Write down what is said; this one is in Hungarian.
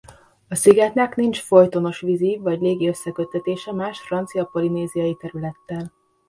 A szigetnek nincs folytonos vízi vagy légi összeköttetése más francia polinéziai területtel.